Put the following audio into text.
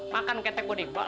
makan ketek gua nih